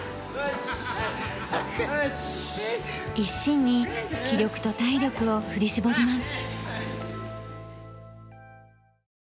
一心に気力と体力を振り絞ります。